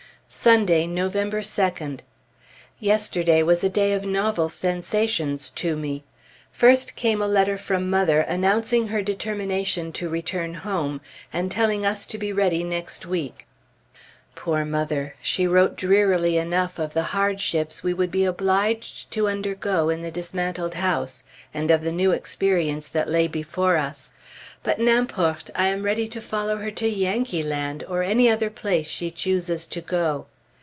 Sunday, November 2d. Yesterday was a day of novel sensations to me. First came a letter from mother announcing her determination to return home, and telling us to be ready next week. Poor mother! she wrote drearily enough of the hardships we would be obliged to undergo in the dismantled house, and of the new experience that lay before us; but n'importe! I am ready to follow her to Yankeeland, or any other place she chooses to go.